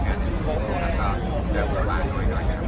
แล้วนี่ก็เหลืออีกสักประมาณสองพันธุ์กุนแล้วนะครับ